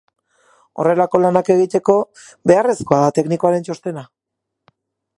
Horrelako lanak egiteko, beharrezkoa da teknikoaren txostena.